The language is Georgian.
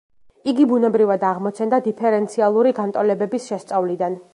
იგი ბუნებრივად აღმოცენდა დიფერენციალური განტოლებების შესწავლიდან.